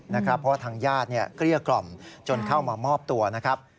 เพราะว่าทางญาติเกลี้ยกล่อมจนเข้ามามอบตัวนะครับ